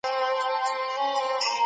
زه ښه چلند کوم.